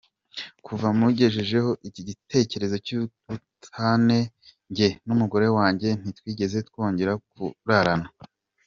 Kuva mugejejeho igitekerezo cy’ubutane, jye n’umugore wanjye ntitwigeze twongera kurarana.